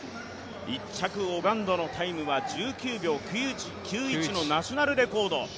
１着オガンドのタイムは１９秒９１のナショナルレコード。